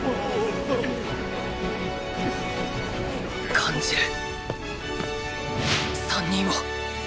感じる３人を！